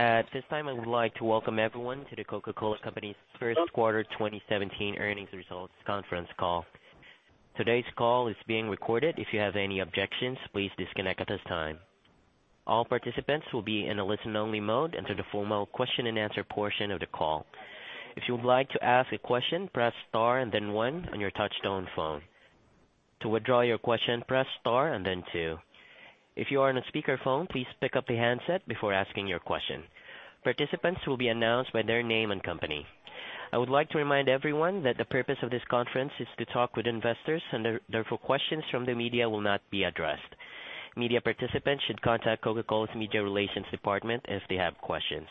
At this time, I would like to welcome everyone to The Coca-Cola Company's first quarter 2017 earnings results conference call. Today's call is being recorded. If you have any objections, please disconnect at this time. All participants will be in a listen-only mode until the formal question and answer portion of the call. If you would like to ask a question, press star and then one on your touch-tone phone. To withdraw your question, press star and then two. If you are on a speakerphone, please pick up a handset before asking your question. Participants will be announced by their name and company. I would like to remind everyone that the purpose of this conference is to talk with investors. Therefore, questions from the media will not be addressed. Media participants should contact Coca-Cola's media relations department if they have questions.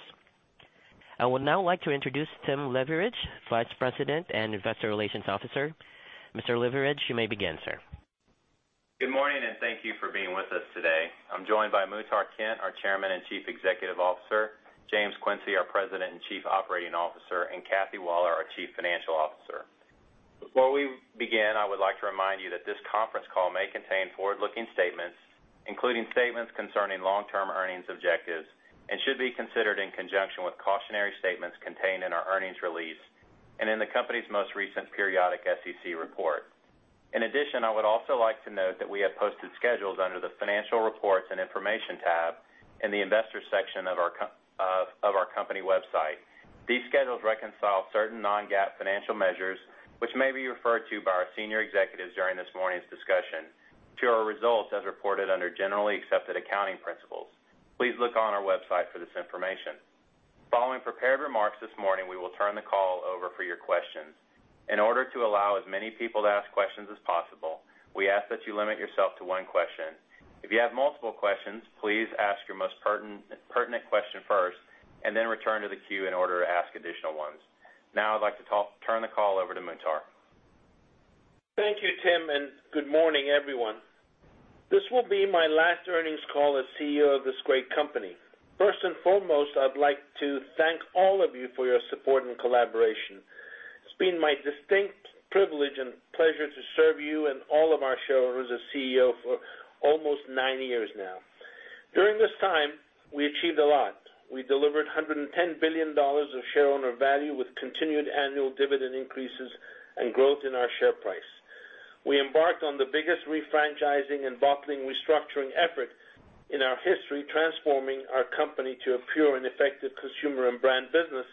I would now like to introduce Tim Leveridge, vice president and investor relations officer. Mr. Leveridge, you may begin, sir. Good morning, and thank you for being with us today. I am joined by Muhtar Kent, our chairman and chief executive officer, James Quincey, our president and chief operating officer, and Kathy Waller, our chief financial officer. Before we begin, I would like to remind you that this conference call may contain forward-looking statements, including statements concerning long-term earnings objectives, and should be considered in conjunction with cautionary statements contained in our earnings release and in the company's most recent periodic SEC report. I would also like to note that we have posted schedules under the financial reports and information tab in the investor section of our company website. These schedules reconcile certain non-GAAP financial measures, which may be referred to by our senior executives during this morning's discussion to our results as reported under generally accepted accounting principles. Please look on our website for this information. Following prepared remarks this morning, we will turn the call over for your questions. In order to allow as many people to ask questions as possible, we ask that you limit yourself to one question. If you have multiple questions, please ask your most pertinent question first, and then return to the queue in order to ask additional ones. Now I'd like to turn the call over to Muhtar. Thank you, Tim, and good morning, everyone. This will be my last earnings call as CEO of this great company. First and foremost, I'd like to thank all of you for your support and collaboration. It's been my distinct privilege and pleasure to serve you and all of our shareholders as CEO for almost nine years now. During this time, we achieved a lot. We delivered $110 billion of share owner value with continued annual dividend increases and growth in our share price. We embarked on the biggest refranchising and bottling restructuring effort in our history, transforming our company to a pure and effective consumer and brand business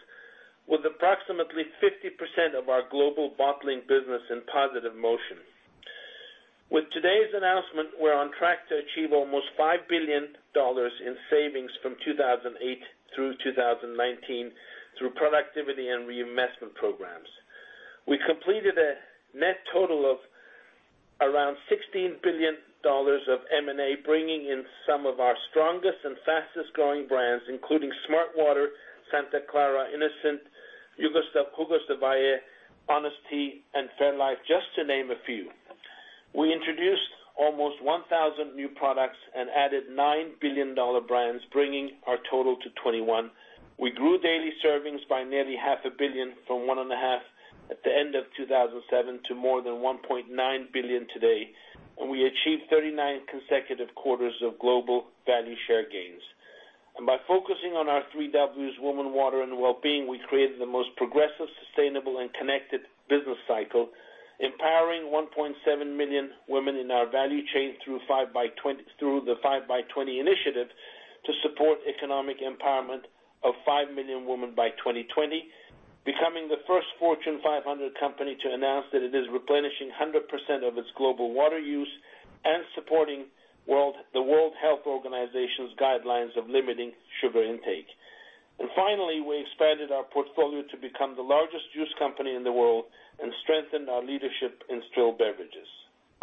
with approximately 50% of our global bottling business in positive motion. With today's announcement, we're on track to achieve almost $5 billion in savings from 2008 through 2019 through productivity and reinvestment programs. We completed a net total of around $16 billion of M&A, bringing in some of our strongest and fastest-growing brands, including smartwater, Santa Clara, innocent, Jugos del Valle, Honest Tea, and fairlife, just to name a few. We introduced almost 1,000 new products and added nine billion-dollar brands, bringing our total to 21. We grew daily servings by nearly half a billion from one and a half at the end of 2007 to more than 1.9 billion today. We achieved 39 consecutive quarters of global value share gains. By focusing on our three Ws, women, water, and wellbeing, we created the most progressive, sustainable, and connected business cycle, empowering 1.7 million women in our value chain through the 5by20 initiative to support economic empowerment of five million women by 2020, becoming the first Fortune 500 company to announce that it is replenishing 100% of its global water use and supporting the World Health Organization's guidelines of limiting sugar intake. Finally, we expanded our portfolio to become the largest juice company in the world and strengthened our leadership in still beverages.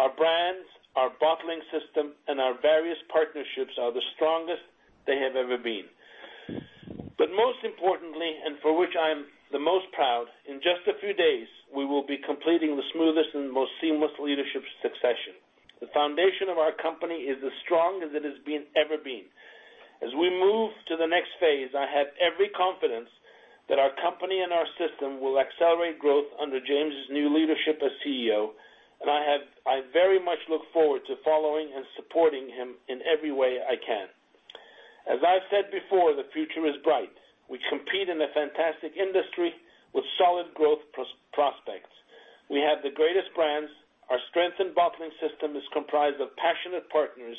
Our brands, our bottling system, and our various partnerships are the strongest they have ever been. Most importantly, and for which I am the most proud, in just a few days, we will be completing the smoothest and most seamless leadership succession. The foundation of our company is as strong as it has ever been. As we move to the next phase, I have every confidence that our company and our system will accelerate growth under James' new leadership as CEO, I very much look forward to following and supporting him in every way I can. As I've said before, the future is bright. We compete in a fantastic industry with solid growth prospects. We have the greatest brands, our strength and bottling system is comprised of passionate partners,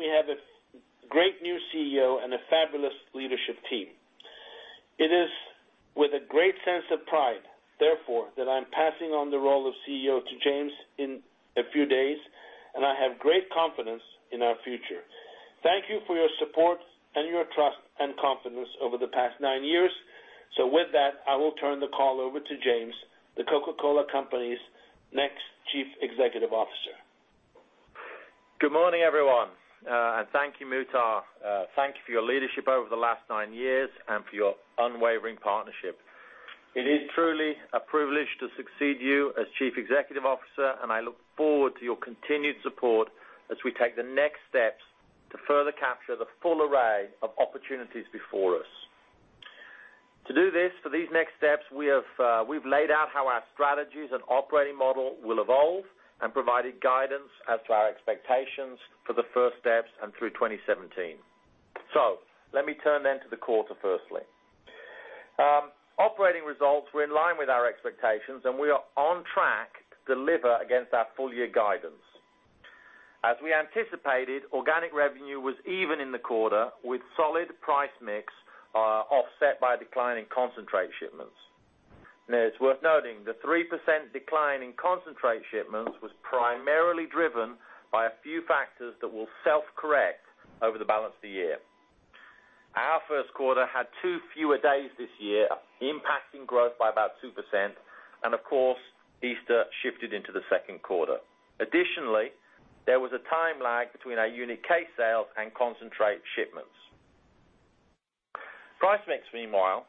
we have a great new CEO and a fabulous leadership team. It is with a great sense of pride, therefore, that I'm passing on the role of CEO to James in a few days, I have great confidence in our future. Thank you for your support and your trust and confidence over the past nine years. With that, I will turn the call over to James, The Coca-Cola Company's next Chief Executive Officer. Good morning, everyone. Thank you, Muhtar. Thank you for your leadership over the last nine years and for your unwavering partnership. It is truly a privilege to succeed you as Chief Executive Officer, and I look forward to your continued support as we take the next steps to further capture the full array of opportunities before us. To do this, for these next steps, we've laid out how our strategies and operating model will evolve and provided guidance as to our expectations for the first steps and through 2017. Let me turn to the quarter firstly. Operating results were in line with our expectations, and we are on track to deliver against our full year guidance. As we anticipated, organic revenue was even in the quarter, with solid price mix offset by declining concentrate shipments. It's worth noting, the 3% decline in concentrate shipments was primarily driven by a few factors that will self-correct over the balance of the year. Our first quarter had two fewer days this year, impacting growth by about 2% and of course, Easter shifted into the second quarter. Additionally, there was a time lag between our unit case sales and concentrate shipments. Price mix, meanwhile,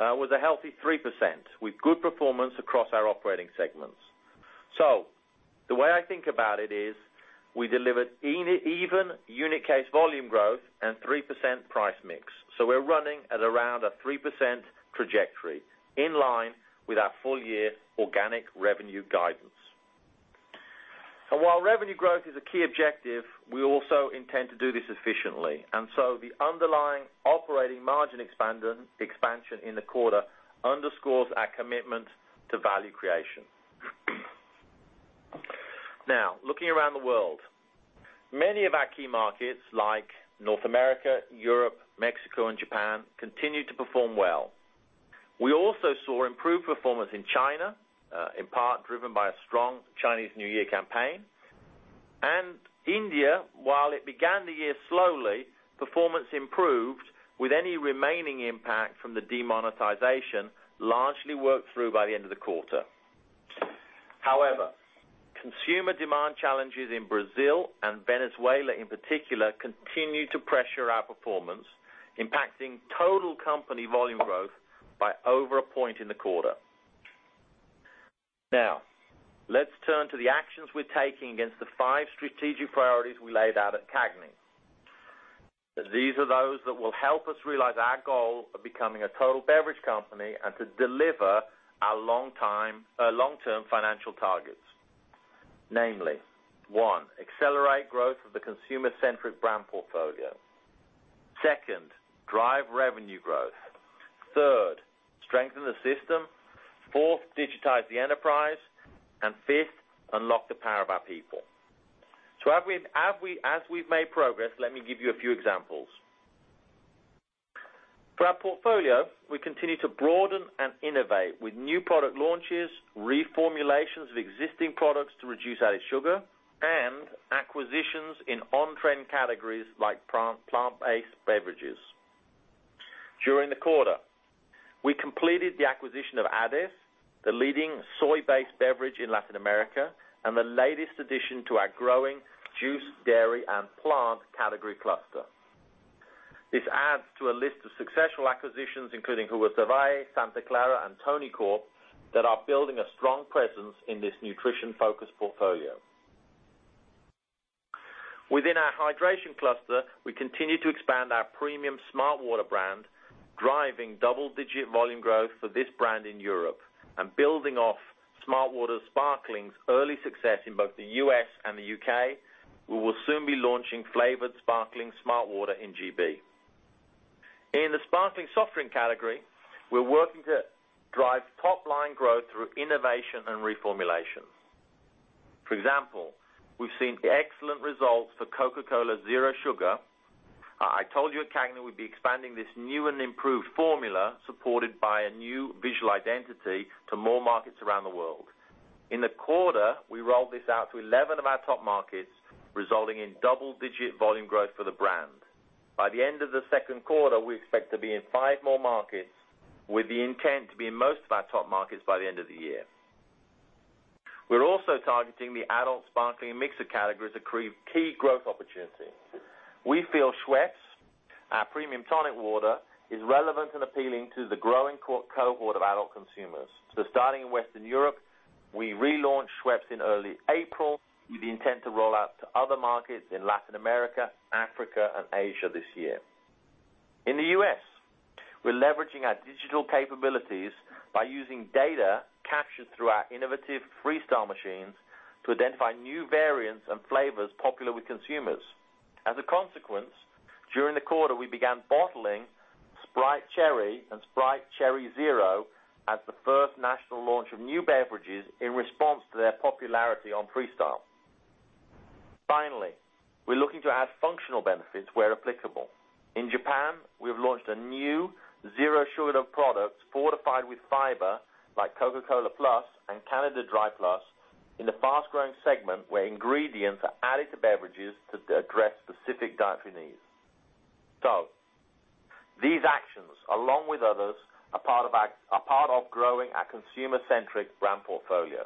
was a healthy 3% with good performance across our operating segments. The way I think about it is, we delivered even unit case volume growth and 3% price mix. We're running at around a 3% trajectory, in line with our full year organic revenue guidance. While revenue growth is a key objective, we also intend to do this efficiently. The underlying operating margin expansion in the quarter underscores our commitment to value creation. Looking around the world. Many of our key markets like North America, Europe, Mexico, and Japan, continue to perform well. We also saw improved performance in China, in part driven by a strong Chinese New Year campaign. India, while it began the year slowly, performance improved with any remaining impact from the demonetization largely worked through by the end of the quarter. However, consumer demand challenges in Brazil and Venezuela in particular, continued to pressure our performance, impacting total company volume growth by over a point in the quarter. Let's turn to the actions we're taking against the five strategic priorities we laid out at CAGNY. These are those that will help us realize our goal of becoming a total beverage company and to deliver our long-term financial targets. Namely, one, accelerate growth of the consumer-centric brand portfolio. Second, drive revenue growth. Third, strengthen the system. Fourth, digitize the enterprise. Fifth, unlock the power of our people. As we've made progress, let me give you a few examples. For our portfolio, we continue to broaden and innovate with new product launches, reformulations of existing products to reduce added sugar, and acquisitions in on-trend categories like plant-based beverages. During the quarter, we completed the acquisition of AdeS, the leading soy-based beverage in Latin America, and the latest addition to our growing juice, dairy, and plant category cluster. This adds to a list of successful acquisitions, including Jugos del Valle, Santa Clara, and ToniCol, that are building a strong presence in this nutrition-focused portfolio. Within our hydration cluster, we continue to expand our premium smartwater brand, driving double-digit volume growth for this brand in Europe. Building off smartwater sparkling's early success in both the U.S. and the U.K., we will soon be launching flavored Sparkling smartwater in GB. In the sparkling soft drink category, we're working to drive top-line growth through innovation and reformulation. For example, we've seen excellent results for Coca-Cola Zero Sugar. I told you at CAGNY we'd be expanding this new and improved formula, supported by a new visual identity to more markets around the world. In the quarter, we rolled this out to 11 of our top markets, resulting in double-digit volume growth for the brand. By the end of the second quarter, we expect to be in five more markets with the intent to be in most of our top markets by the end of the year. We're also targeting the adult sparkling mixer category as a key growth opportunity. We feel Schweppes, our premium tonic water, is relevant and appealing to the growing cohort of adult consumers. Starting in Western Europe, we relaunched Schweppes in early April with the intent to roll out to other markets in Latin America, Africa, and Asia this year. In the U.S., we're leveraging our digital capabilities by using data captured through our innovative Coca-Cola Freestyle machines to identify new variants and flavors popular with consumers. As a consequence, during the quarter, we began bottling Sprite Cherry and Sprite Cherry Zero as the first national launch of new beverages in response to their popularity on Coca-Cola Freestyle. Finally, we're looking to add functional benefits where applicable. In Japan, we have launched a new zero sugar product fortified with fiber like Coca-Cola Plus and Canada Dry Plus in the fast-growing segment, where ingredients are added to beverages to address specific dietary needs. These actions, along with others, are part of growing our consumer-centric brand portfolio.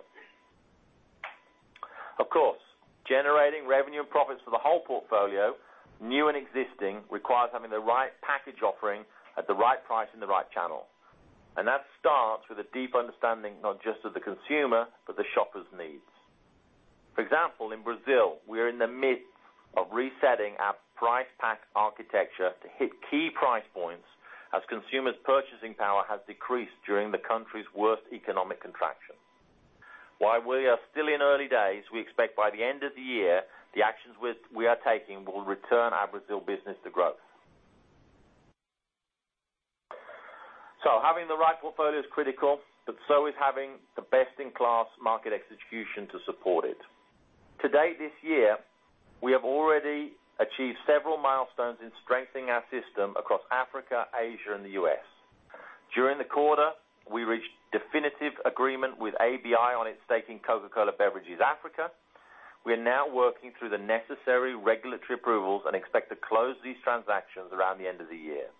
Of course, generating revenue and profits for the whole portfolio, new and existing, requires having the right package offering at the right price in the right channel. That starts with a deep understanding not just of the consumer, but the shopper's needs. For example, in Brazil, we are in the midst of resetting our price pack architecture to hit key price points as consumers' purchasing power has decreased during the country's worst economic contraction. While we are still in early days, we expect by the end of the year, the actions we are taking will return our Brazil business to growth. Having the right portfolio is critical, but so is having the best-in-class market execution to support it. To date this year, we have already achieved several milestones in strengthening our system across Africa, Asia, and the U.S. During the quarter, we reached definitive agreement with ABI on its stake in Coca-Cola Beverages Africa. We are now working through the necessary regulatory approvals and expect to close these transactions around the end of the year.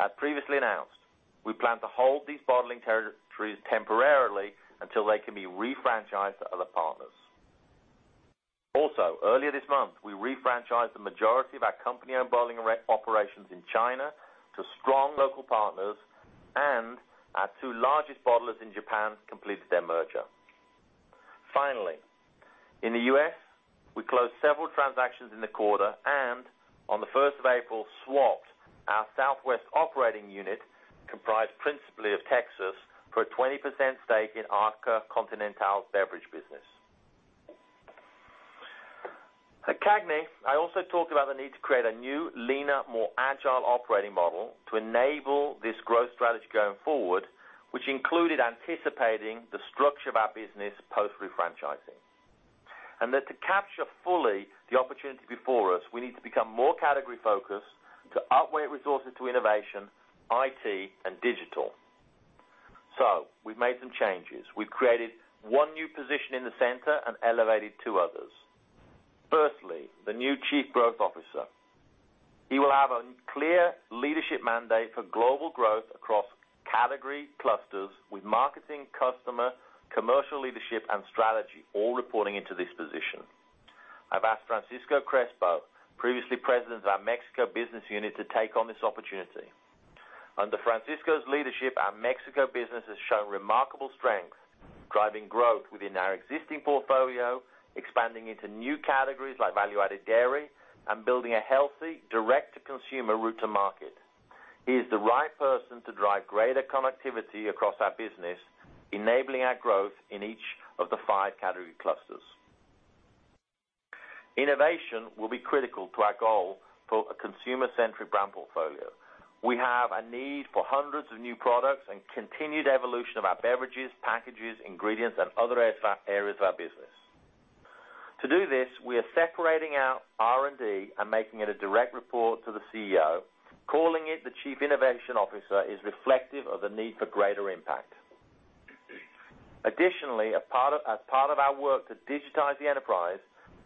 As previously announced, we plan to hold these bottling territories temporarily until they can be refranchised to other partners. Earlier this month, we refranchised the majority of our company-owned bottling operations in China to strong local partners, and our two largest bottlers in Japan completed their merger. Finally, in the U.S., we closed several transactions in the quarter, and on the 1st of April, swapped our Southwest operating unit, comprised principally of Texas, for a 20% stake in Arca Continental's beverage business. At CAGNY, I also talked about the need to create a new, leaner, more agile operating model to enable this growth strategy going forward, which included anticipating the structure of our business post refranchising. That to capture fully the opportunity before us, we need to become more category focused to outweigh resources to innovation, IT, and digital. We've made some changes. We've created one new position in the center and elevated two others. Firstly, the new Chief Growth Officer. He will have a clear leadership mandate for global growth across category clusters with marketing, customer, commercial leadership, and strategy all reporting into this position. I've asked Francisco Crespo, previously president of our Mexico business unit, to take on this opportunity. Under Francisco's leadership, our Mexico business has shown remarkable strength, driving growth within our existing portfolio, expanding into new categories like value-added dairy, and building a healthy direct-to-consumer route to market. He is the right person to drive greater connectivity across our business, enabling our growth in each of the five category clusters. Innovation will be critical to our goal for a consumer-centric brand portfolio. We have a need for hundreds of new products and continued evolution of our beverages, packages, ingredients, and other areas of our business. To do this, we are separating out R&D and making it a direct report to the CEO. Calling it the Chief Innovation Officer is reflective of the need for greater impact. Additionally, as part of our work to digitize the enterprise,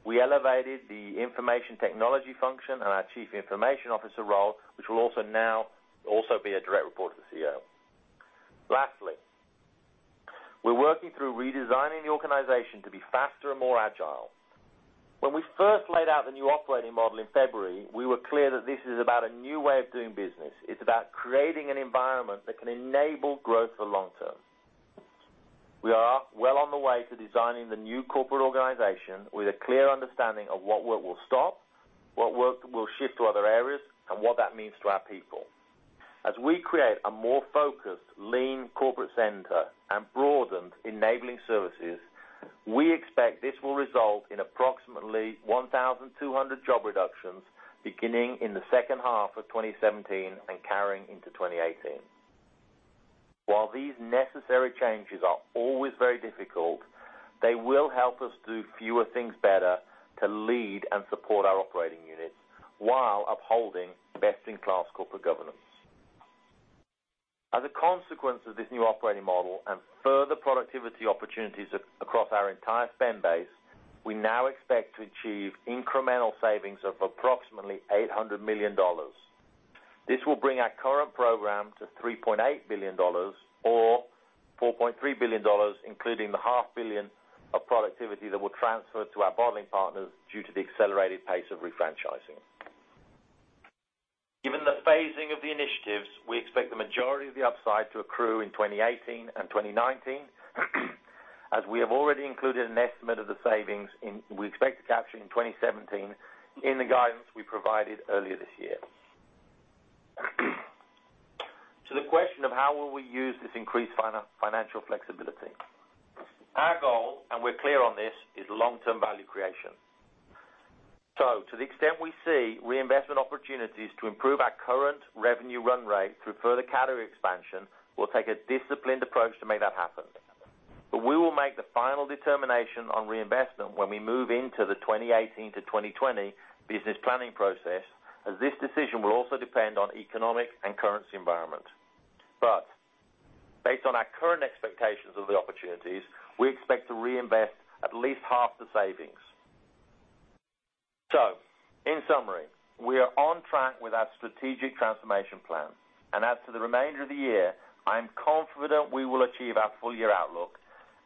we elevated the information technology function and our Chief Information Officer role, which will now also be a direct report to the CEO. Lastly, we're working through redesigning the organization to be faster and more agile. When we first laid out the new operating model in February, we were clear that this is about a new way of doing business. It's about creating an environment that can enable growth for the long term. We are well on the way to designing the new corporate organization with a clear understanding of what work will stop, what work will shift to other areas, and what that means to our people. As we create a more focused, lean corporate center and broadened enabling services, we expect this will result in approximately 1,200 job reductions beginning in the second half of 2017 and carrying into 2018. While these necessary changes are always very difficult, they will help us do fewer things better to lead and support our operating units while upholding best-in-class corporate governance. As a consequence of this new operating model and further productivity opportunities across our entire spend base, we now expect to achieve incremental savings of approximately $800 million. This will bring our current program to $3.8 billion, or $4.3 billion, including the half billion of productivity that will transfer to our bottling partners due to the accelerated pace of refranchising. Given the phasing of the initiatives, we expect the majority of the upside to accrue in 2018 and 2019, as we have already included an estimate of the savings we expect to capture in 2017 in the guidance we provided earlier this year. To the question of how will we use this increased financial flexibility, our goal, and we're clear on this, is long-term value creation. To the extent we see reinvestment opportunities to improve our current revenue run rate through further category expansion, we'll take a disciplined approach to make that happen. We will make the final determination on reinvestment when we move into the 2018 to 2020 business planning process, as this decision will also depend on economic and currency environment. Based on our current expectations of the opportunities, we expect to reinvest at least half the savings. In summary, we are on track with our strategic transformation plan. As to the remainder of the year, I am confident we will achieve our full year outlook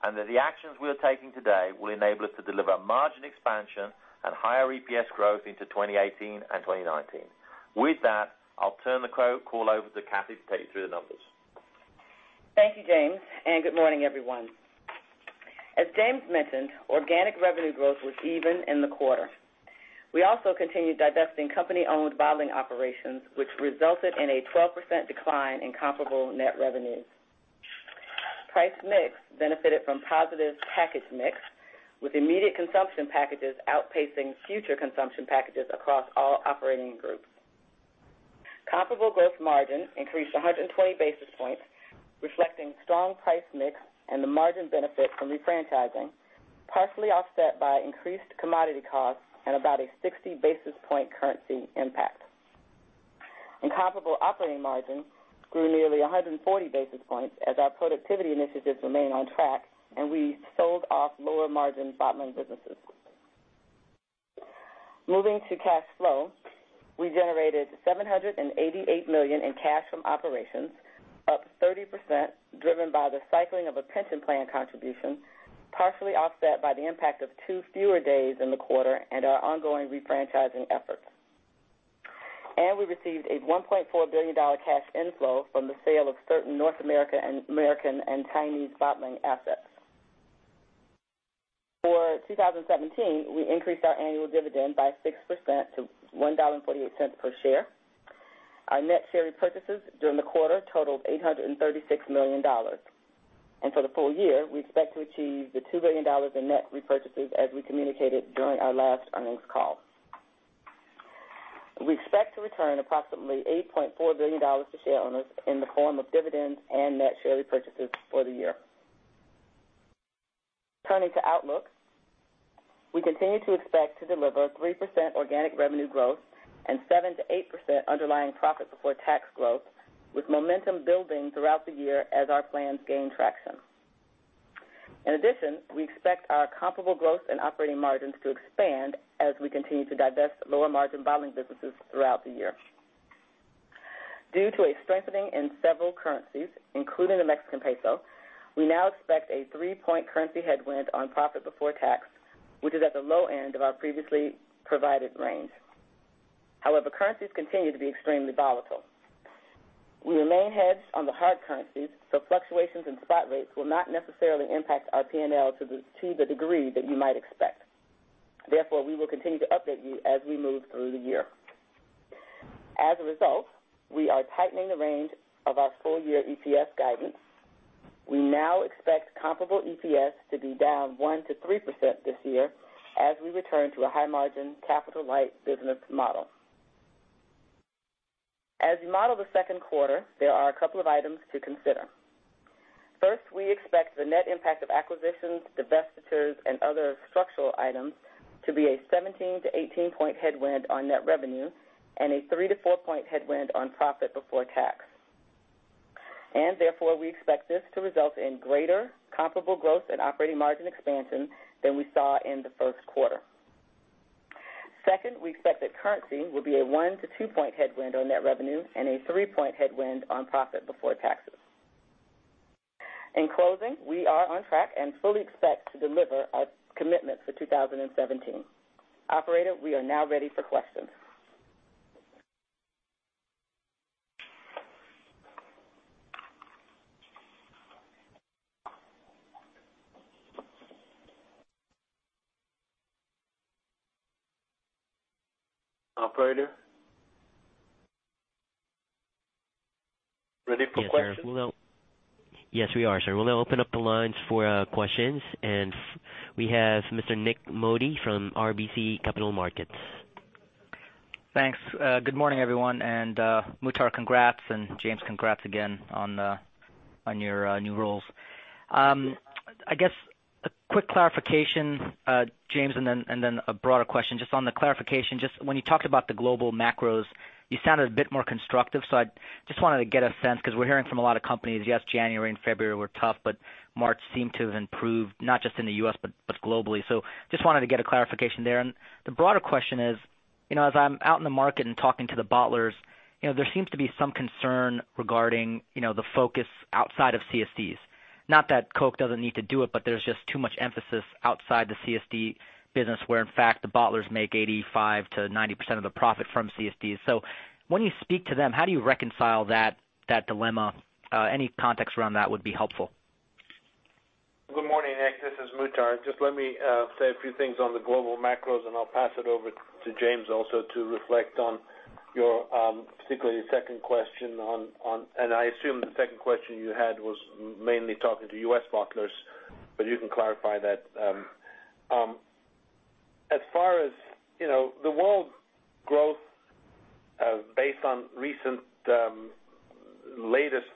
and that the actions we are taking today will enable us to deliver margin expansion and higher EPS growth into 2018 and 2019. With that, I'll turn the call over to Kathy to take you through the numbers. Thank you, James, and good morning, everyone. As James mentioned, organic revenue growth was even in the quarter. We also continued divesting company-owned bottling operations, which resulted in a 12% decline in comparable net revenue. Price mix benefited from positive package mix, with immediate consumption packages outpacing future consumption packages across all operating groups. Comparable growth margin increased 120 basis points, reflecting strong price mix and the margin benefit from refranchising, partially offset by increased commodity costs and about a 60-basis point currency impact. Comparable operating margin grew nearly 140 basis points as our productivity initiatives remain on track and we sold off lower margin bottling businesses. Moving to cash flow, we generated $788 million in cash from operations, up 30%, driven by the cycling of a pension plan contribution, partially offset by the impact of two fewer days in the quarter and our ongoing refranchising efforts. We received a $1.4 billion cash inflow from the sale of certain North American and Chinese bottling assets. For 2017, we increased our annual dividend by 6% to $1.48 per share. Our net share repurchases during the quarter totaled $836 million. For the full year, we expect to achieve the $2 billion in net repurchases as we communicated during our last earnings call. We expect to return approximately $8.4 billion to share owners in the form of dividends and net share repurchases for the year. Turning to outlook, we continue to expect to deliver 3% organic revenue growth and 7%-8% underlying profit before tax growth, with momentum building throughout the year as our plans gain traction. In addition, we expect our comparable growth and operating margins to expand as we continue to divest lower-margin bottling businesses throughout the year. Due to a strengthening in several currencies, including the Mexican peso, we now expect a three-point currency headwind on profit before tax, which is at the low end of our previously provided range. Currencies continue to be extremely volatile. We remain hedged on the hard currencies, so fluctuations in spot rates will not necessarily impact our P&L to the degree that you might expect. We will continue to update you as we move through the year. As a result, we are tightening the range of our full-year EPS guidance. We now expect comparable EPS to be down 1%-3% this year as we return to a high-margin, capital-light business model. As you model the second quarter, there are a couple of items to consider. First, we expect the net impact of acquisitions, divestitures, and other structural items to be a 17-18 point headwind on net revenue and a three-four point headwind on profit before tax. Therefore, we expect this to result in greater comparable growth and operating margin expansion than we saw in the first quarter. Second, we expect that currency will be a one-two point headwind on net revenue and a three-point headwind on profit before taxes. In closing, we are on track and fully expect to deliver our commitments for 2017. Operator, we are now ready for questions. Operator? Ready for questions? Yes, we are, sir. We'll now open up the lines for questions. We have Mr. Nik Modi from RBC Capital Markets. Thanks. Good morning, everyone. Muhtar, congrats. James, congrats again on your new roles. I guess a quick clarification, James, then a broader question. Just on the clarification, just when you talked about the global macros, you sounded a bit more constructive. I just wanted to get a sense, because we're hearing from a lot of companies, yes, January and February were tough, but March seemed to have improved, not just in the U.S., but globally. I just wanted to get a clarification there. The broader question is, as I'm out in the market and talking to the bottlers, there seems to be some concern regarding the focus outside of CSDs. Not that Coke doesn't need to do it, but there's just too much emphasis outside the CSD business, where in fact, the bottlers make 85%-90% of the profit from CSDs. When you speak to them, how do you reconcile that dilemma? Any context around that would be helpful. Good morning, Nik. This is Muhtar. Just let me say a few things on the global macros. I'll pass it over to James also to reflect on, particularly, your second question. I assume the second question you had was mainly talking to U.S. bottlers, but you can clarify that. As far as the world growth based on recent latest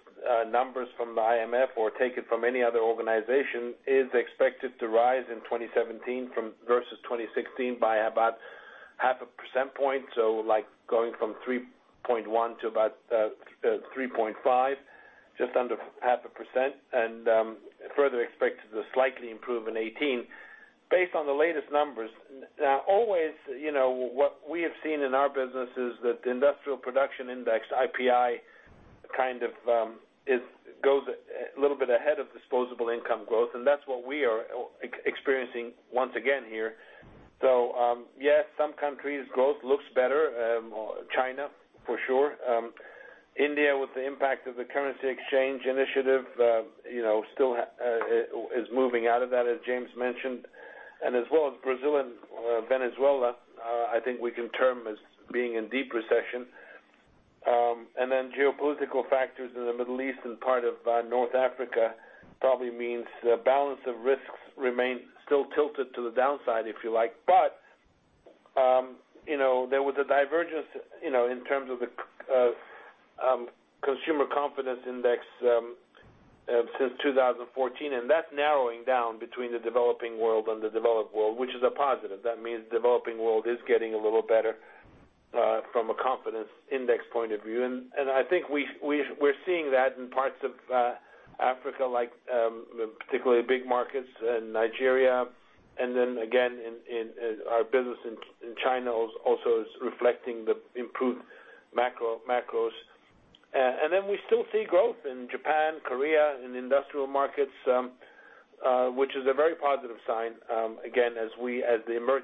numbers from the IMF or take it from any other organization, is expected to rise in 2017 versus 2016 by about half a percent point. Going from 3.1 to about 3.5, just under half a percent, further expected to slightly improve in 2018 based on the latest numbers. Always, what we have seen in our business is that the Industrial Production Index, IPI, goes a little bit ahead of disposable income growth. That's what we are experiencing once again here. Yes, some countries' growth looks better. China, for sure. India, with the impact of the currency exchange initiative, still is moving out of that, as James mentioned. As well as Brazil and Venezuela, I think we can term as being in deep recession. Geopolitical factors in the Middle East and part of North Africa probably means the balance of risks remain still tilted to the downside, if you like. There was a divergence in terms of the consumer confidence index since 2014, and that's narrowing down between the developing world and the developed world, which is a positive. That means the developing world is getting a little better from a confidence index point of view. I think we're seeing that in parts of Africa, like particularly big markets in Nigeria. Again, in our business in China also is reflecting the improved macros. We still see growth in Japan, Korea, in industrial markets, which is a very positive sign. Again, as the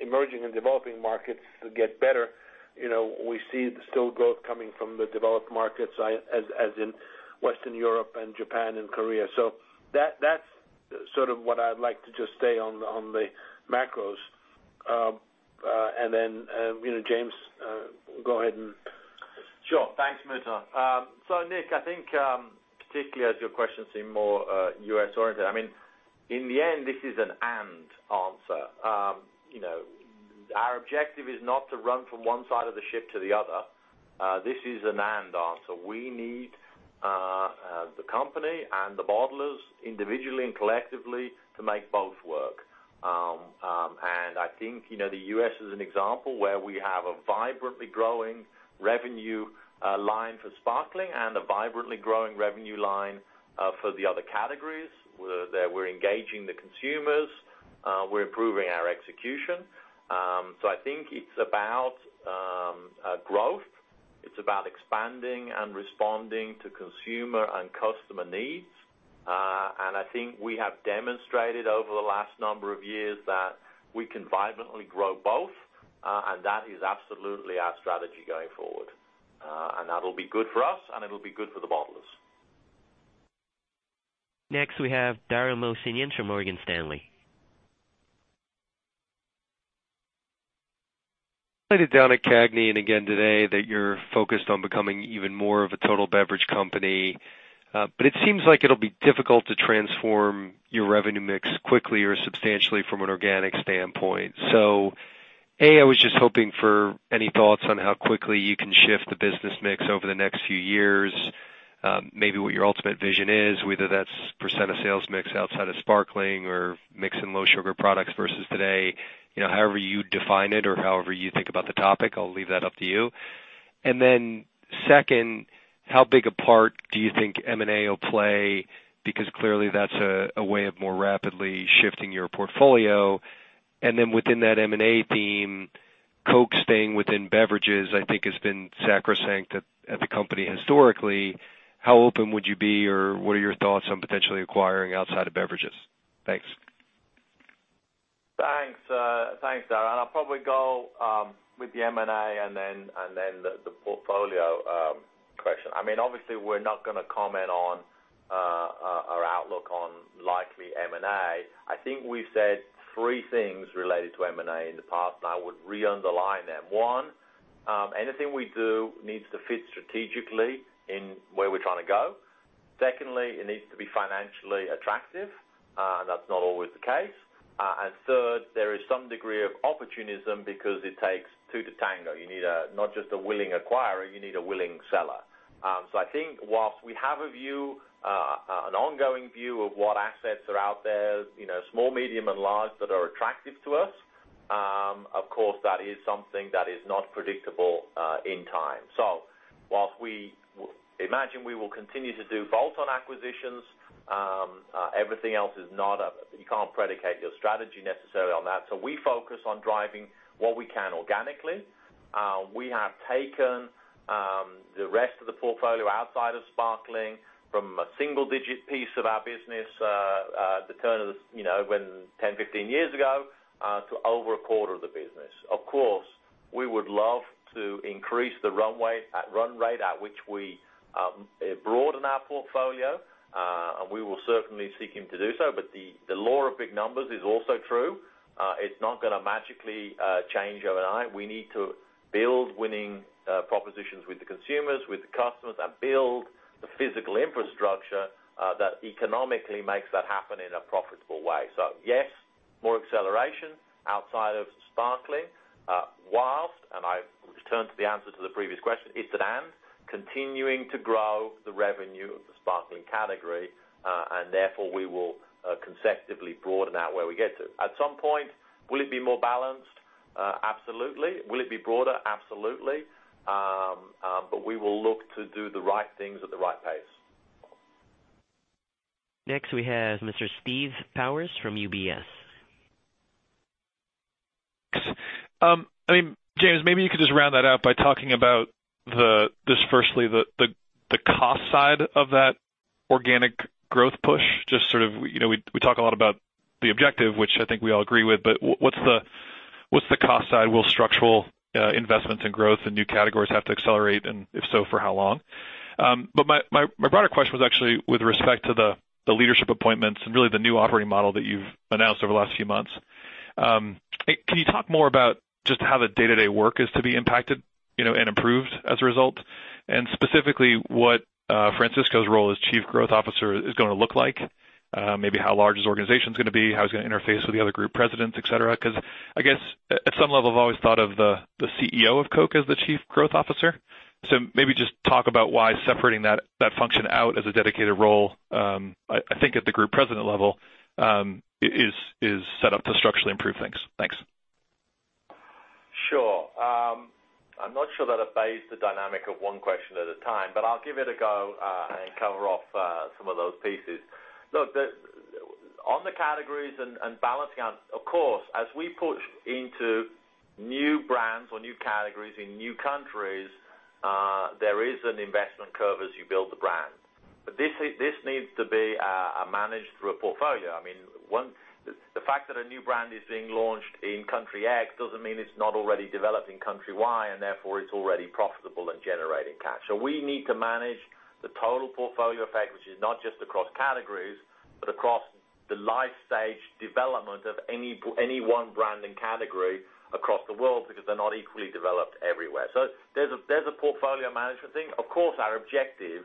emerging and developing markets get better, we see still growth coming from the developed markets as in Western Europe and Japan and Korea. That's sort of what I'd like to just say on the macros. James, go ahead and Sure. Thanks, Muhtar. Nik, I think, particularly as your question seem more U.S. oriented, in the end, this is an and answer. Our objective is not to run from one side of the ship to the other. This is an and answer. We need the company and the bottlers, individually and collectively, to make both work. I think the U.S. is an example where we have a vibrantly growing revenue line for sparkling and a vibrantly growing revenue line for the other categories. We're engaging the consumers. We're improving our execution. I think it's about growth. It's about expanding and responding to consumer and customer needs. I think we have demonstrated over the last number of years that we can vibrantly grow both, and that is absolutely our strategy going forward. That'll be good for us, and it'll be good for the bottlers. Next, we have Dara Mohsenian from Morgan Stanley. Written down at CAGNY and again today that you're focused on becoming even more of a total beverage company. It seems like it'll be difficult to transform your revenue mix quickly or substantially from an organic standpoint. A, I was just hoping for any thoughts on how quickly you can shift the business mix over the next few years, maybe what your ultimate vision is, whether that's % of sales mix outside of sparkling or mix in low sugar products versus today, however you define it or however you think about the topic. I'll leave that up to you. Second, how big a part do you think M&A will play? Because clearly that's a way of more rapidly shifting your portfolio. Within that M&A theme, Coke staying within beverages, I think has been sacrosanct at the company historically. How open would you be, or what are your thoughts on potentially acquiring outside of beverages? Thanks. Thanks, Dara. I'll probably go with the M&A and the portfolio question. Obviously, we're not going to comment on our outlook on likely M&A. I think we've said three things related to M&A in the past, and I would re-underline them. One, anything we do needs to fit strategically in where we're trying to go. Secondly, it needs to be financially attractive, and that's not always the case. Third, there is some degree of opportunism because it takes two to tango. You need not just a willing acquirer, you need a willing seller. I think whilst we have an ongoing view of what assets are out there, small, medium, and large that are attractive to us, of course, that is something that is not predictable in time. Whilst we imagine we will continue to do bolt-on acquisitions, everything else is you can't predicate your strategy necessarily on that. We focus on driving what we can organically. We have taken the rest of the portfolio outside of sparkling from a single-digit piece of our business, when 10, 15 years ago, to over a quarter of the business. Of course, we would love to increase the run rate at which we broaden our portfolio. We will certainly seeking to do so, but the law of big numbers is also true. It's not going to magically change overnight. We need to build winning propositions with the consumers, with the customers, and build the physical infrastructure that economically makes that happen in a profitable way. Yes, more acceleration outside of sparkling, while, and I return to the answer to the previous question, it's an and, continuing to grow the revenue of the sparkling category, and therefore we will consecutively broaden out where we get to. At some point, will it be more balanced? Absolutely. Will it be broader? Absolutely. We will look to do the right things at the right pace. Next, we have Steve Powers from UBS. James, maybe you could just round that out by talking about, firstly, the cost side of that organic growth push. We talk a lot about the objective, which I think we all agree with, what's the cost side? Will structural investments in growth and new categories have to accelerate? If so, for how long? My broader question was actually with respect to the leadership appointments and really the new operating model that you've announced over the last few months. Can you talk more about just how the day-to-day work is to be impacted and improved as a result? Specifically, what Francisco's role as Chief Growth Officer is going to look like. Maybe how large his organization's going to be, how he's going to interface with the other group presidents, et cetera. I guess, at some level, I've always thought of the CEO of Coke as the Chief Growth Officer. Maybe just talk about why separating that function out as a dedicated role, I think at the group president level, is set up to structurally improve things. Thanks. Sure. I'm not sure that obeys the dynamic of one question at a time, but I'll give it a go and cover off some of those pieces. Look, on the categories and balance accounts, of course, as we push into new brands or new categories in new countries, there is an investment curve as you build the brand. This needs to be managed through a portfolio. I mean, the fact that a new brand is being launched in country X doesn't mean it's not already developed in country Y, and therefore, it's already profitable and generating cash. We need to manage the total portfolio effect, which is not just across categories, but across the life stage development of any one brand and category across the world, because they're not equally developed everywhere. There's a portfolio management thing. Of course, our objective,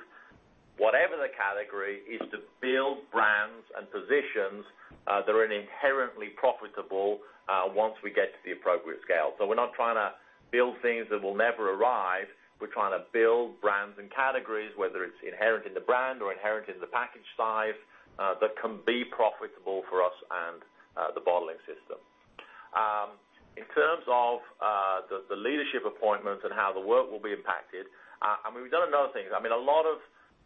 whatever the category, is to build brands and positions that are inherently profitable once we get to the appropriate scale. We're not trying to build things that will never arrive. We're trying to build brands and categories, whether it's inherent in the brand or inherent in the package size, that can be profitable for us and the bottling system. In terms of the leadership appointments and how the work will be impacted, we've done a number of things. A lot of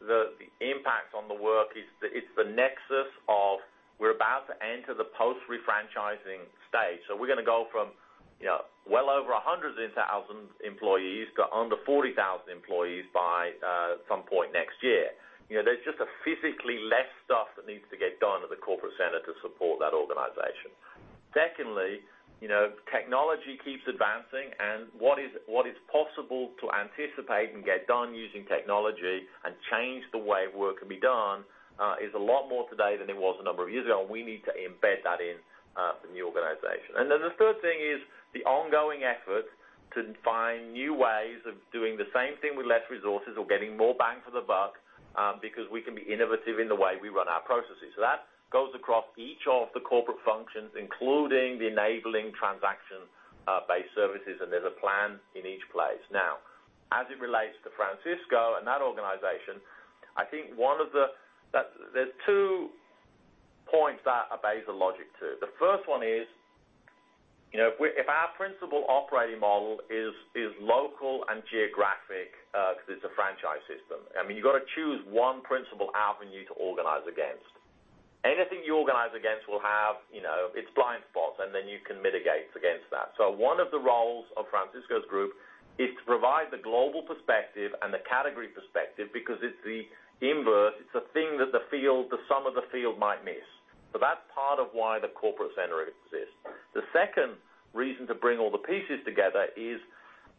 the impacts on the work is the nexus of we're about to enter the post refranchising stage. We're going to go from well over 100,000 employees to under 40,000 employees by some point next year. There's just physically less stuff that needs to get done at the corporate center to support that organization. Secondly, technology keeps advancing, and what is possible to anticipate and get done using technology and change the way work can be done is a lot more today than it was a number of years ago, and we need to embed that in the new organization. The third thing is the ongoing effort to find new ways of doing the same thing with less resources or getting more bang for the buck, because we can be innovative in the way we run our processes. That goes across each of the corporate functions, including the enabling transaction-based services, and there's a plan in each place. As it relates to Francisco and that organization, I think there's two points that obeys the logic, too. The first one is, if our principal operating model is local and geographic because it's a franchise system, you've got to choose one principal avenue to organize against. Anything you organize against will have its blind spots, and then you can mitigate against that. One of the roles of Francisco's group is to provide the global perspective and the category perspective because it's the inverse. It's a thing that the sum of the field might miss. That's part of why the corporate center exists. The second reason to bring all the pieces together is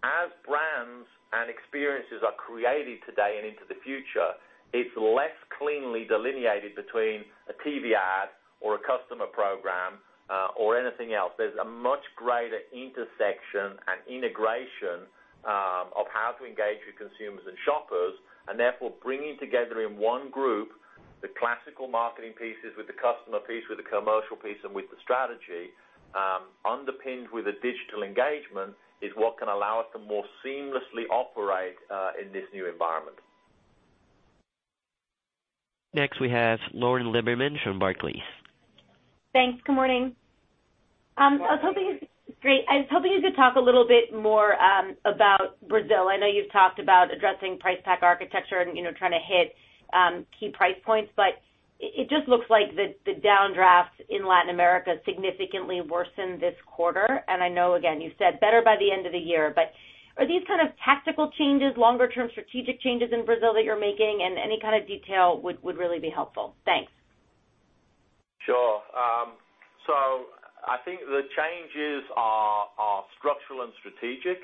as brands and experiences are created today and into the future, it's less cleanly delineated between a TV ad or a customer program, or anything else. There's a much greater intersection and integration of how to engage with consumers and shoppers, and therefore, bringing together in one group the classical marketing pieces with the customer piece, with the commercial piece, and with the strategy, underpinned with a digital engagement, is what can allow us to more seamlessly operate in this new environment. Next, we have Lauren Lieberman from Barclays. Thanks. Good morning. Good morning. I was hoping you could talk a little bit more about Brazil. I know you've talked about addressing price pack architecture and trying to hit key price points, it just looks like the downdraft in Latin America significantly worsened this quarter. I know, again, you said better by the end of the year, are these kind of tactical changes, longer term strategic changes in Brazil that you're making? Any kind of detail would really be helpful. Thanks. Sure. I think the changes are structural and strategic.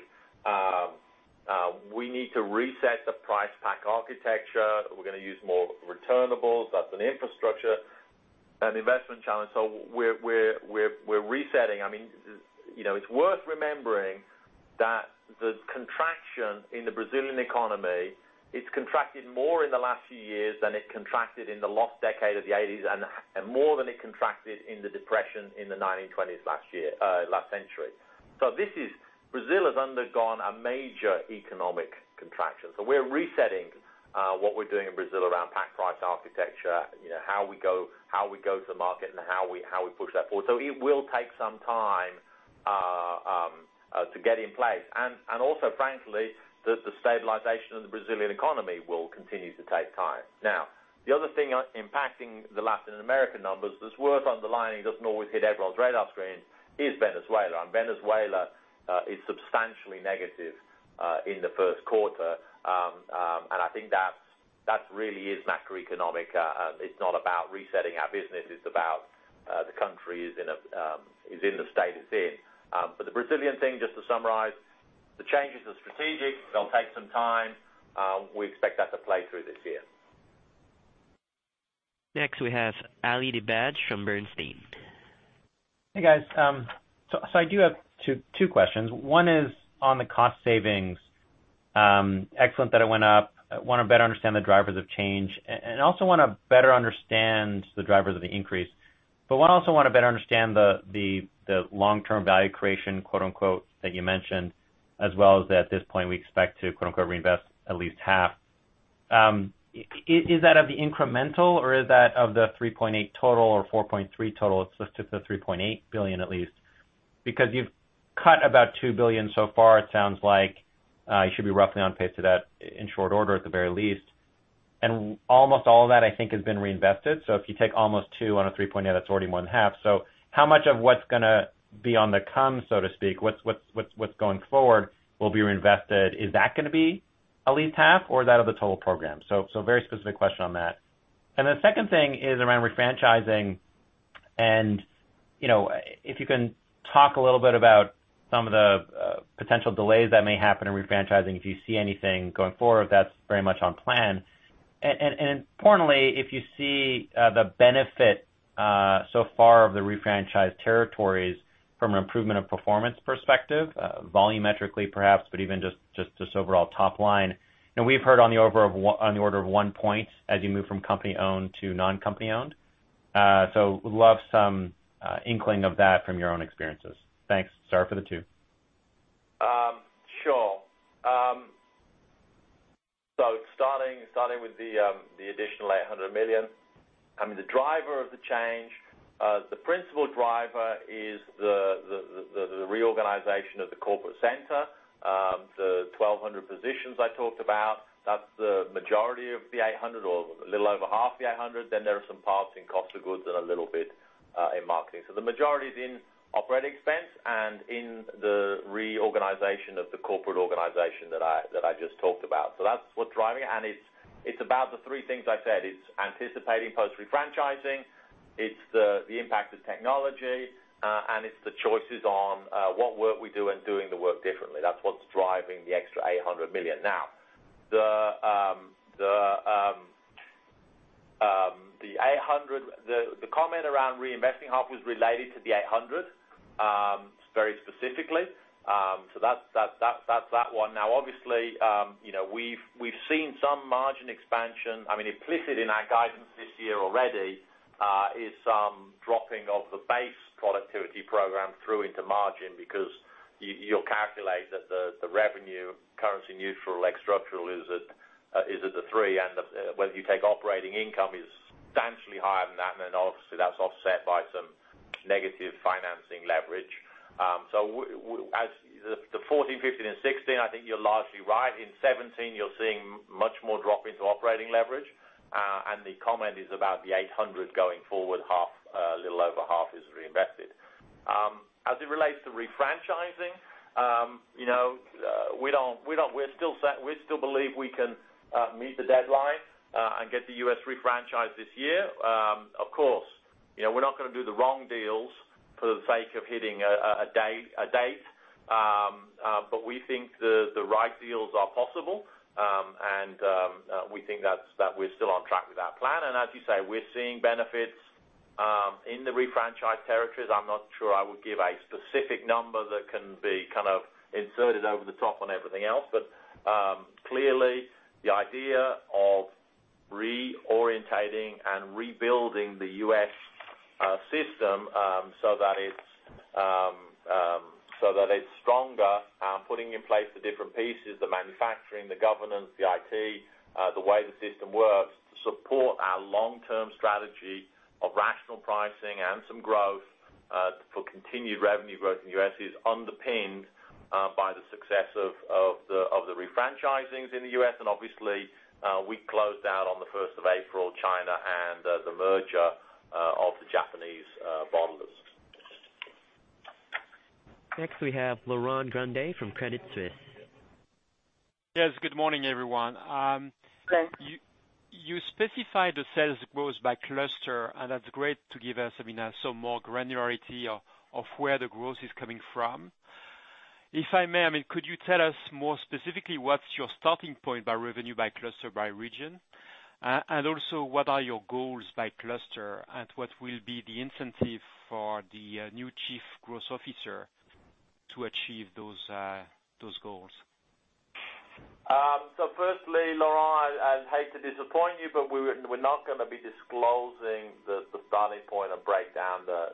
We need to reset the price pack architecture. We're going to use more returnables. That's an infrastructure, an investment challenge. We're resetting. It's worth remembering that the contraction in the Brazilian economy, it's contracted more in the last few years than it contracted in the lost decade of the '80s, and more than it contracted in the depression in the 1920s last century. Brazil has undergone a major economic contraction. We're resetting what we're doing in Brazil around pack price architecture, how we go to the market and how we push that forward. It will take some time to get in place. Also frankly, the stabilization of the Brazilian economy will continue to take time. The other thing impacting the Latin American numbers that's worth underlining, doesn't always hit everyone's radar screen, is Venezuela. Venezuela is substantially negative in the first quarter. I think that really is macroeconomic. It's not about resetting our business, it's about the country is in the state it's in. The Brazilian thing, just to summarize, the changes are strategic. They'll take some time. We expect that to play through this year. Next we have Ali Dibadj from Bernstein. Hey, guys. I do have two questions. One is on the cost savings. Excellent that it went up. I want to better understand the drivers of change, and I also want to better understand the drivers of the increase. I also want to better understand the "long-term value creation" that you mentioned, as well as that at this point, we expect to "reinvest at least half." Is that of the incremental or is that of the 3.8 total or 4.3 total? Let's stick to the 3.8 billion at least. Because you've cut about 2 billion so far, it sounds like you should be roughly on pace to that in short order, at the very least. Almost all of that, I think, has been reinvested. If you take almost 2 on a 3.8, that's already one half. How much of what's going to be on the come, so to speak, what's going forward will be reinvested? Is that going to be at least half or is that of the total program? Very specific question on that. The second thing is around refranchising. If you can talk a little bit about some of the potential delays that may happen in refranchising, if you see anything going forward that's very much on plan. Importantly, if you see the benefit so far of the refranchised territories from an improvement of performance perspective, volumetrically perhaps, but even just overall top line. We've heard on the order of 1 point, as you move from company-owned to non-company-owned. Would love some inkling of that from your own experiences. Thanks. Sorry for the 2. Sure. Starting with the additional $800 million. The driver of the change, the principal driver is the reorganization of the corporate center. The 1,200 positions I talked about, that's the majority of the $800 or a little over half the $800. There are some parts in cost of goods and a little bit in marketing. The majority is in operating expense and in the reorganization of the corporate organization that I just talked about. That's what's driving it. It's about the 3 things I said. It's anticipating post refranchising, it's the impact of technology, and it's the choices on what work we do and doing the work differently. That's what's driving the extra $800 million. The comment around reinvesting half was related to the $800, very specifically. That's that 1. Obviously, we've seen some margin expansion. Implicit in our guidance this year already is some dropping of the base productivity program through into margin because you'll calculate that the revenue currency neutral structural is at the 3. Whether you take operating income is substantially higher than that. Obviously, that's offset by some negative financing leverage. As to 2014, 2015, and 2016, I think you're largely right. In 2017, you're seeing much more drop into operating leverage. The comment is about the $800 going forward, a little over half is reinvested. As it relates to refranchising, we still believe we can meet the deadline and get the U.S. refranchised this year. Of course, we're not going to do the wrong deals for the sake of hitting a date. We think the right deals are possible. We think that we're still on track with our plan. As you say, we're seeing benefits in the refranchised territories. I'm not sure I would give a specific number that can be kind of inserted over the top on everything else. Clearly, the idea of reorientating and rebuilding the U.S. system so that it's stronger and putting in place the different pieces, the manufacturing, the governance, the IT, the way the system works to support our long-term strategy of rational pricing and some growth for continued revenue growth in the U.S. is underpinned by the success of the refranchisings in the U.S. Obviously, we closed out on the 1st of April, China and the merger of the Japanese bottlers. Next, we have Laurent Grandet from Credit Suisse. Yes, good morning, everyone. Good morning. You specified the sales growth by cluster, and that's great to give us some more granularity of where the growth is coming from. If I may, could you tell us more specifically what's your starting point by revenue by cluster, by region? Also, what are your goals by cluster, and what will be the incentive for the new Chief Growth Officer to achieve those goals? Firstly, Laurent, I hate to disappoint you, but we're not going to be disclosing the starting point and breakdown the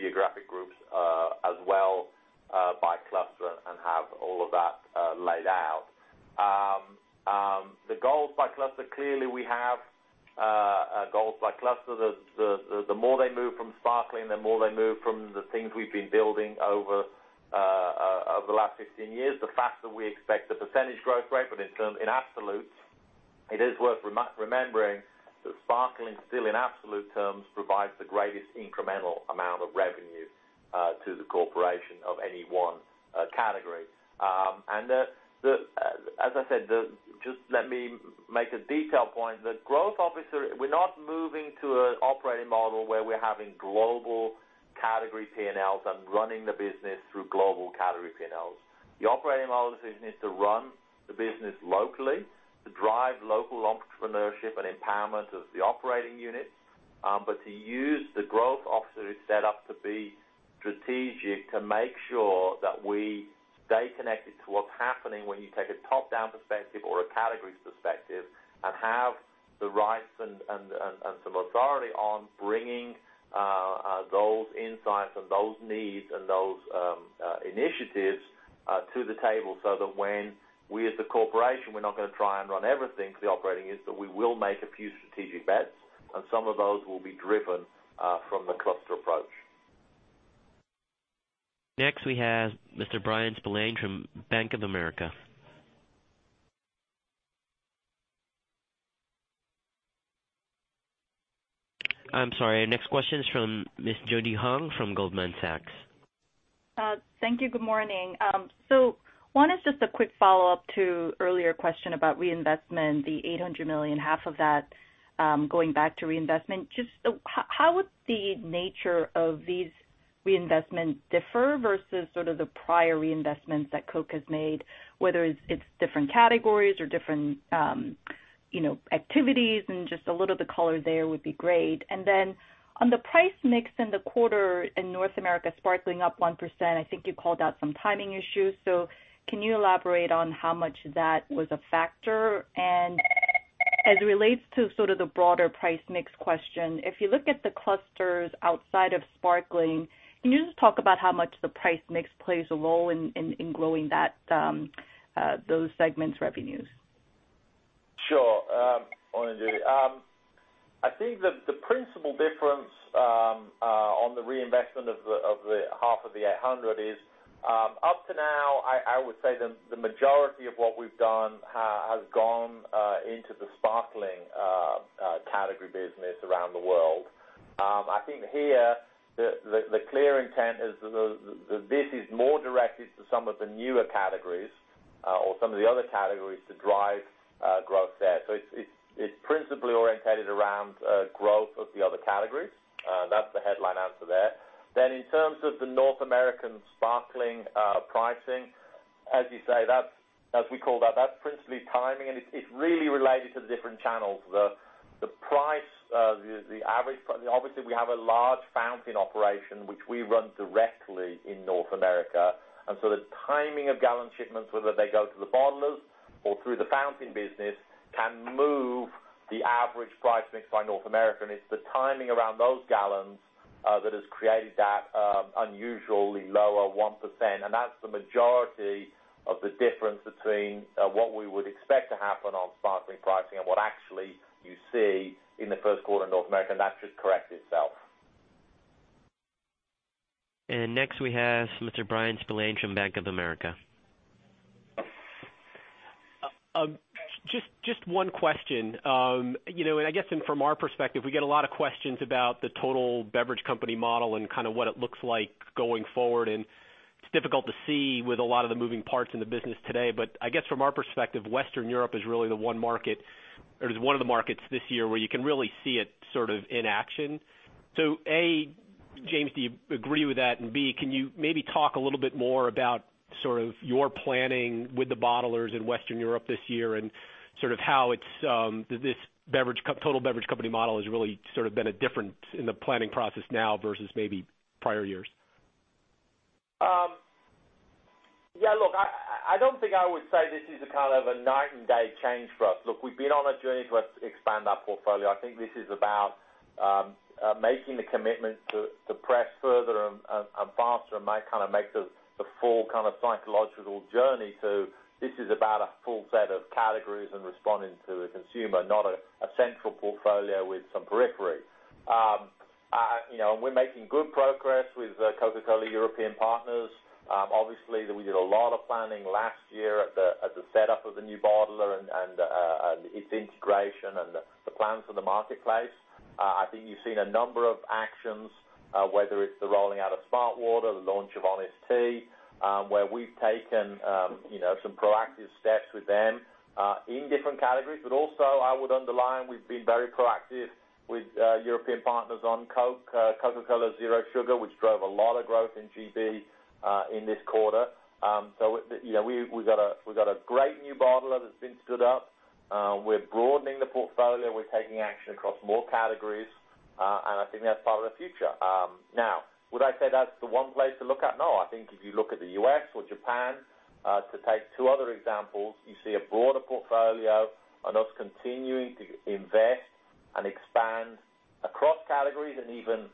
geographic groups, as well by cluster and have all of that laid out. The goals by cluster, clearly we have goals by cluster. The more they move from sparkling, the more they move from the things we've been building over the last 15 years, the faster we expect the percentage growth rate. In absolutes, it is worth remembering that sparkling still in absolute terms, provides the greatest incremental amount of revenue to the corporation of any one category. As I said, just let me make a detail point. We're not moving to an operating model where we're having global category P&Ls and running the business through global category P&Ls. The operating model decision is to run the business locally, to drive local entrepreneurship and empowerment of the operating units, but to use the growth officer who's set up to be strategic, to make sure that they stay connected to what's happening when you take a top-down perspective or a category perspective, and have the rights and some authority on bringing those insights and those needs and those initiatives to the table, so that when we as the corporation, we're not going to try and run everything through the operating units, but we will make a few strategic bets, and some of those will be driven from the cluster approach. Next, we have Mr. Bryan Spillane from Bank of America. I'm sorry. Next question is from Ms. Judy Hong from Goldman Sachs. Thank you. Good morning. One is just a quick follow-up to earlier question about reinvestment, the $800 million, half of that, going back to reinvestment. How would the nature of these reinvestments differ versus sort of the prior reinvestments that Coke has made, whether it's different categories or different activities and a little of the color there would be great. On the price mix in the quarter in North America, sparkling up 1%, I think you called out some timing issues. Can you elaborate on how much that was a factor? As it relates to sort of the broader price mix question, if you look at the clusters outside of sparkling, can you just talk about how much the price mix plays a role in growing those segments' revenues? Sure. Morning, Judy. The principal difference on the reinvestment of the half of the $800 is, up to now, I would say the majority of what we've done has gone into the sparkling category business around the world. Here, the clear intent is that this is more directed to some of the newer categories or some of the other categories to drive growth there. It's principally orientated around growth of the other categories. That's the headline answer there. In terms of the North American sparkling pricing, as you say, as we call that's principally timing, and it's really related to the different channels. Obviously, we have a large fountain operation which we run directly in North America, the timing of gallon shipments, whether they go to the bottlers or through the fountain business, can move the average price mix by North America. It's the timing around those gallons that has created that unusually lower 1%. That's the majority of the difference between what we would expect to happen on sparkling pricing and what actually you see in the first quarter in North America. That should correct itself. Next we have Mr. Bryan Spillane from Bank of America. Just one question. I guess from our perspective, we get a lot of questions about the total beverage company model and kind of what it looks like going forward. It's difficult to see with a lot of the moving parts in the business today. I guess from our perspective, Western Europe is really the one market or is one of the markets this year where you can really see it sort of in action. A, James, do you agree with that? B, can you maybe talk a little bit more about sort of your planning with the bottlers in Western Europe this year and sort of how this total beverage company model has really sort of been different in the planning process now versus maybe prior years? Look, I don't think I would say this is a kind of a night and day change for us. Look, we've been on a journey to expand our portfolio. I think this is about making the commitment to press further and faster and kind of make the full kind of psychological journey to this is about a full set of categories and responding to a consumer, not a central portfolio with some periphery. We're making good progress with Coca-Cola European Partners. Obviously, we did a lot of planning last year at the setup of the new bottler and its integration and the plans for the marketplace. I think you've seen a number of actions, whether it's the rolling out of smartwater, the launch of Honest Tea, where we've taken some proactive steps with them, in different categories. Also I would underline, we've been very proactive with European Partners on Coca-Cola Zero Sugar, which drove a lot of growth in G.B., in this quarter. We've got a great new bottler that's been stood up. We're broadening the portfolio. We're taking action across more categories. I think that's part of the future. Now, would I say that's the one place to look at? No. I think if you look at the U.S. or Japan, to take two other examples, you see a broader portfolio and us continuing to invest and expand categories and even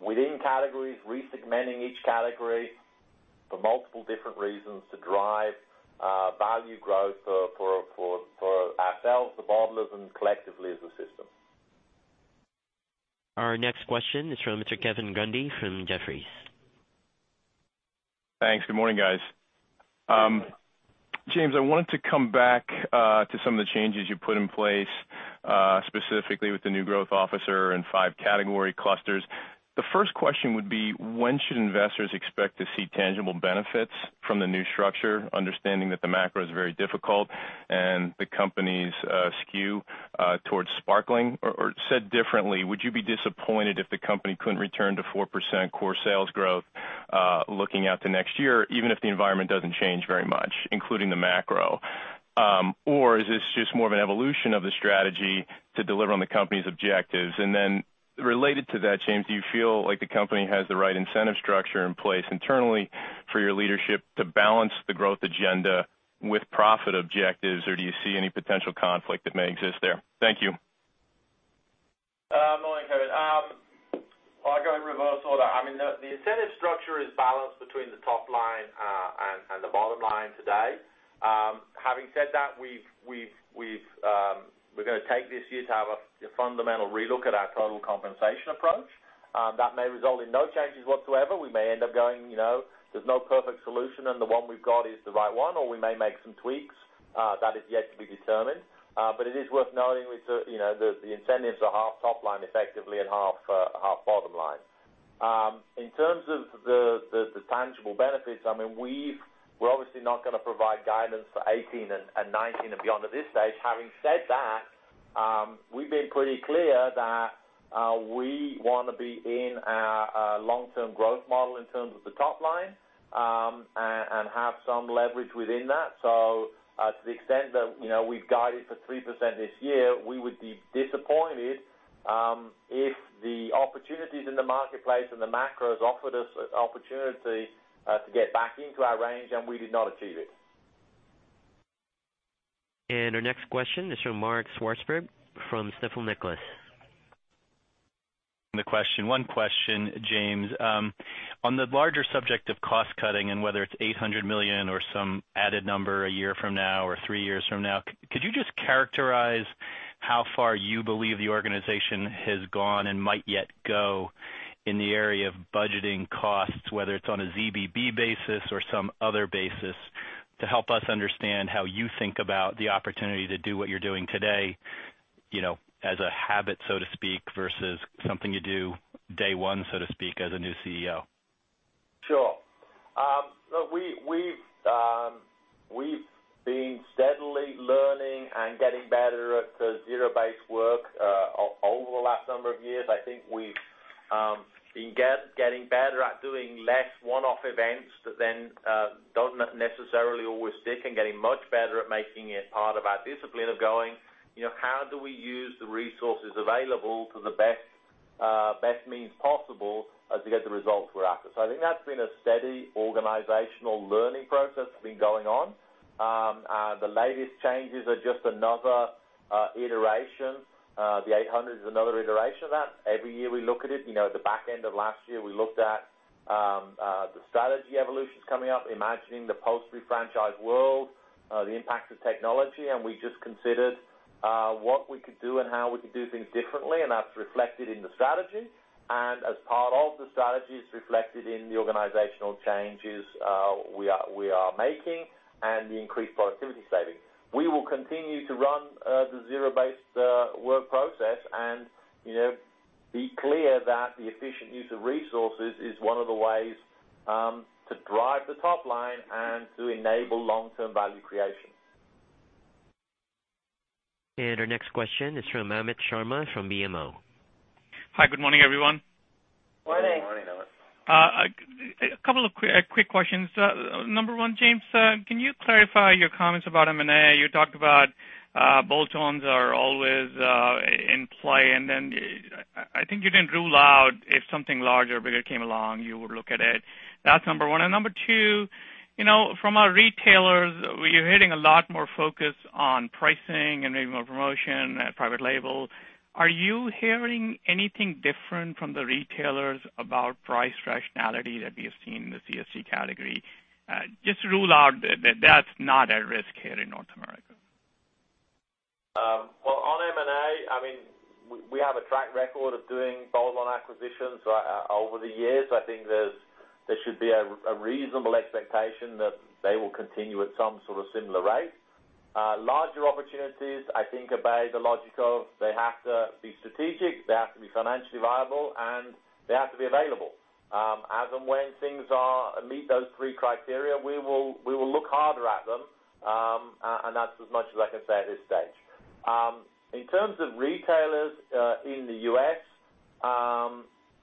within categories, re-segmenting each category for multiple different reasons to drive value growth for ourselves, the bottlers, and collectively as a system. Our next question is from Kevin Grundy from Jefferies. Thanks. Good morning, guys. Good morning. James, I wanted to come back to some of the changes you put in place, specifically with the new growth officer and five category clusters. The first question would be, when should investors expect to see tangible benefits from the new structure, understanding that the macro is very difficult and the company's skew towards sparkling? Or said differently, would you be disappointed if the company couldn't return to 4% core sales growth looking out to next year, even if the environment doesn't change very much, including the macro? Or is this just more of an evolution of the strategy to deliver on the company's objectives? Related to that, James, do you feel like the company has the right incentive structure in place internally for your leadership to balance the growth agenda with profit objectives? Or do you see any potential conflict that may exist there? Thank you. Morning, Kevin. I'll go in reverse order. The incentive structure is balanced between the top line and the bottom line today. Having said that, we're going to take this year to have a fundamental relook at our total compensation approach. That may result in no changes whatsoever. We may end up going, there's no perfect solution, and the one we've got is the right one, or we may make some tweaks. That is yet to be determined. It is worth noting, the incentives are half top line, effectively, and half bottom line. In terms of the tangible benefits, we're obviously not going to provide guidance for 2018 and 2019 and beyond at this stage. Having said that, we've been pretty clear that we want to be in a long-term growth model in terms of the top line and have some leverage within that. To the extent that we've guided for 3% this year, we would be disappointed if the opportunities in the marketplace and the macros offered us opportunity to get back into our range and we did not achieve it. Our next question is from Mark Swartzberg from Stifel Nicolaus. One question, James. On the larger subject of cost-cutting and whether it's $800 million or some added number a year from now or three years from now, could you just characterize how far you believe the organization has gone and might yet go in the area of budgeting costs, whether it's on a ZBB basis or some other basis, to help us understand how you think about the opportunity to do what you're doing today, as a habit, so to speak, versus something you do day one, so to speak, as a new CEO? Sure. We've been steadily learning and getting better at the zero-based work over the last number of years. I think we've been getting better at doing less one-off events that then don't necessarily always stick and getting much better at making it part of our discipline of going, how do we use the resources available to the best means possible to get the results we're after? I think that's been a steady organizational learning process that's been going on. The latest changes are just another iteration. The $800 is another iteration of that. Every year we look at it. The back end of last year, we looked at the strategy evolutions coming up, imagining the post refranchise world, the impact of technology, and we just considered what we could do and how we could do things differently, and that's reflected in the strategy. As part of the strategy is reflected in the organizational changes we are making and the increased productivity savings. We will continue to run the zero-based work process and be clear that the efficient use of resources is one of the ways to drive the top line and to enable long-term value creation. Our next question is from Amit Sharma from BMO. Hi, good morning, everyone. Morning. Good morning, Amit. A couple of quick questions. Number one, James, can you clarify your comments about M&A? You talked about bolt-ons are always in play. I think you didn't rule out if something larger, bigger came along, you would look at it. That's number one. Number two, from our retailers, you're hitting a lot more focus on pricing and maybe more promotion, private label. Are you hearing anything different from the retailers about price rationality that we have seen in the CSD category? Just rule out that that's not at risk here in North America. Well, on M&A, we have a track record of doing bolt-on acquisitions over the years. I think there should be a reasonable expectation that they will continue at some sort of similar rate. Larger opportunities, I think, obey the logic of they have to be strategic, they have to be financially viable, and they have to be available. As and when things meet those three criteria, we will look harder at them, that's as much as I can say at this stage. In terms of retailers in the U.S.,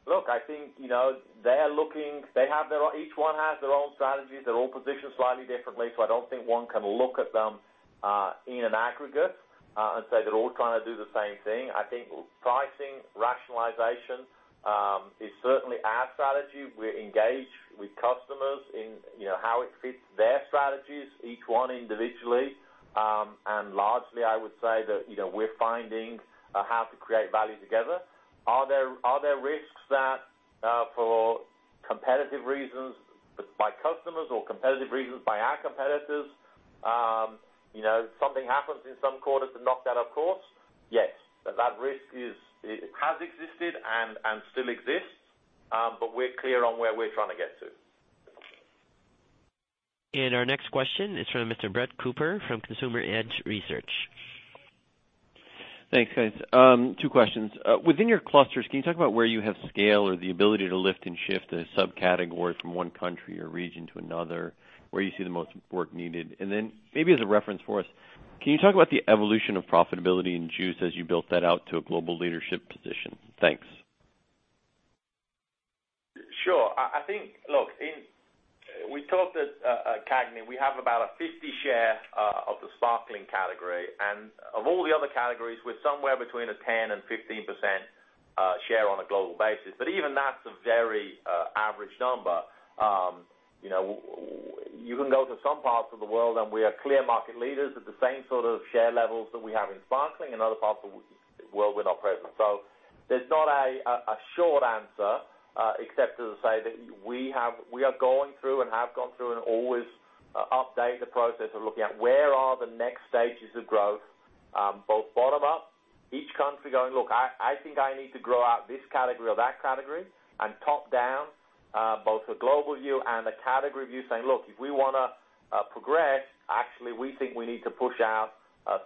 look, I think each one has their own strategies. They're all positioned slightly differently, I don't think one can look at them in an aggregate and say they're all trying to do the same thing. I think pricing rationalization It's certainly our strategy. We're engaged with customers in how it fits their strategies, each one individually. Largely, I would say that we're finding how to create value together. Are there risks that for competitive reasons by customers or competitive reasons by our competitors, something happens in some quarters to knock that off course? Yes. That risk has existed and still exists, we're clear on where we're trying to get to. Our next question is from Mr. Brett Cooper from Consumer Edge Research. Thanks, guys. Two questions. Within your clusters, can you talk about where you have scale or the ability to lift and shift a subcategory from one country or region to another, where you see the most work needed? Then maybe as a reference for us, can you talk about the evolution of profitability in juice as you built that out to a global leadership position? Thanks. Sure. We talked at CAGNY, we have about a 50% share of the sparkling category. Of all the other categories, we're somewhere between a 10%-15% share on a global basis. Even that's a very average number. You can go to some parts of the world and we are clear market leaders at the same sort of share levels that we have in sparkling. In other parts of the world, we're not present. There's not a short answer except to say that we are going through and have gone through and always update the process of looking at where are the next stages of growth, both bottom up, each country going, look, I think I need to grow out this category or that category. Top-down, both a global view and a category view saying, look, if we want to progress, actually, we think we need to push out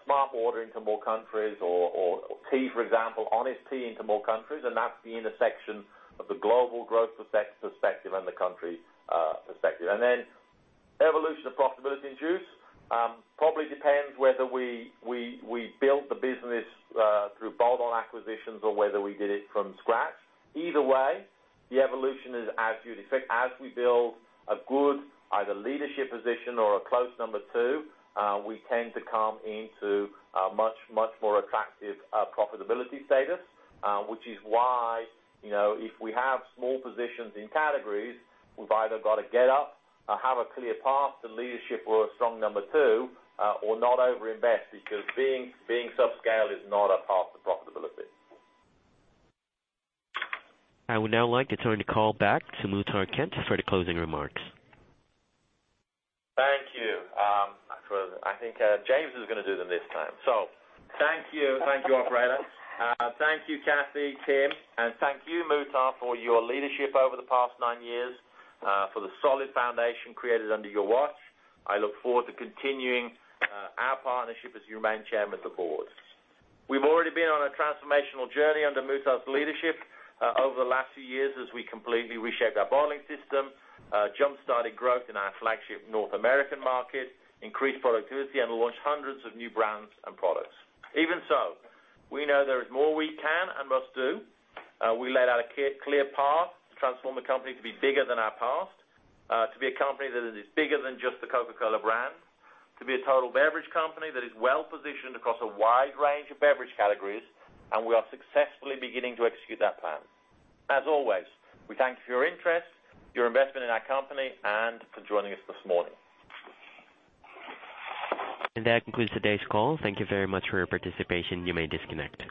smartwater into more countries or tea, for example, Honest Tea into more countries, and that's the intersection of the global growth perspective and the country perspective. Then evolution of profitability in juice probably depends whether we built the business through bolt-on acquisitions or whether we did it from scratch. Either way, the evolution is as you'd expect. As we build a good either leadership position or a close number 2, we tend to come into a much more attractive profitability status, which is why if we have small positions in categories, we've either got to get up or have a clear path to leadership or a strong number 2 or not over-invest, because being subscale is not a path to profitability. I would now like to turn the call back to Muhtar Kent for the closing remarks. Thank you. I think James is going to do them this time. Thank you. Thank you, operator. Thank you, Kathy, Tim, thank you, Muhtar, for your leadership over the past nine years, for the solid foundation created under your watch. I look forward to continuing our partnership as your main chairman of the board. We've already been on a transformational journey under Muhtar's leadership over the last few years as we completely reshaped our bottling system, jump-started growth in our flagship North American market, increased productivity, and launched hundreds of new brands and products. Even so, we know there is more we can and must do. We laid out a clear path to transform the company to be bigger than our past, to be a company that is bigger than just The Coca-Cola brand, to be a total beverage company that is well-positioned across a wide range of beverage categories. We are successfully beginning to execute that plan. As always, we thank you for your interest, your investment in our company, and for joining us this morning. That concludes today's call. Thank you very much for your participation. You may disconnect.